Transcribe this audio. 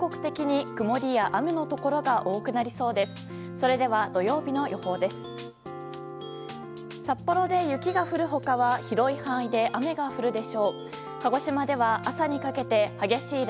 それでは、土曜日の予報です。